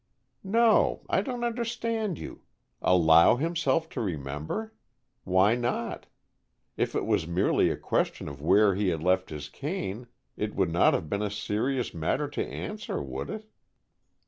"No. I don't understand you. Allow himself to remember? Why not? If it was merely a question of where he had left his cane, it would not have been a serious matter to answer, would it?"